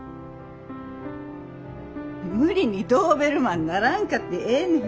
無理にドーベルマンにならんかてええねん。